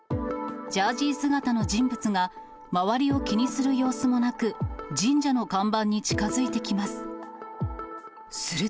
ジャージ姿の人物が、周りを気にする様子もなく、神社の看板に近づいてきます。